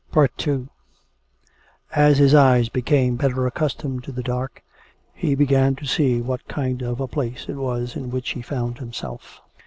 II As his eyes became better accustomed to the dark, he began to see what kind of a place it was in which he found himself.